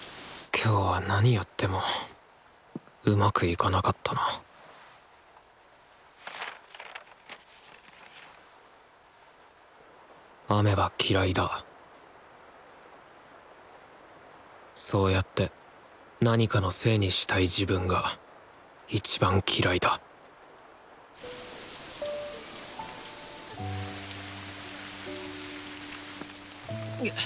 今日は何やってもうまくいかなかったな雨は嫌いだそうやって何かのせいにしたい自分がいちばん嫌いだげっ